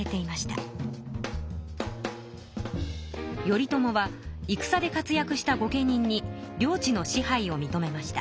頼朝はいくさで活やくした御家人に領地の支配をみとめました。